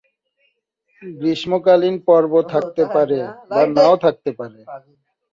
গ্রীষ্মকালীন পর্ব থাকতে পারে বা না-ও থাকতে পারে।